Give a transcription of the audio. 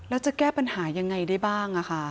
แล้วจะแก้ปัญหายังไงได้บ้าง